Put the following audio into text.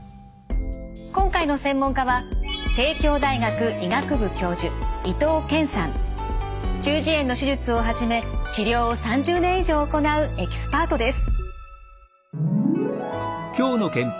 今回の専門家は中耳炎の手術をはじめ治療を３０年以上行うエキスパートです。